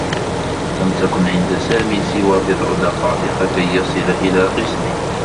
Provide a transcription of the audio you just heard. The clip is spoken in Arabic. لم تكن عند سامي سوى بضع دقائق كي يصل إلى قسمه.